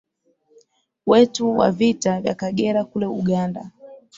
wetu wa Vita Vya Kagera kule Uganda